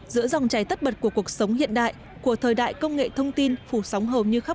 giữa dòng cháy tất bật của cuộc sống hiện đại của thời đại công nghệ thông tin phủ sóng hầu như khắp